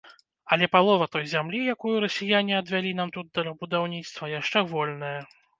Але палова той зямлі, якую расіяне адвялі нам тут для будаўніцтва, яшчэ вольная.